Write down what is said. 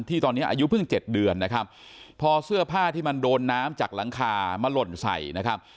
ตอนนี้อายุเพิ่งเจ็ดเดือนนะครับพอเสื้อผ้าที่มันโดนน้ำจากหลังคามาหล่นใส่นะครับ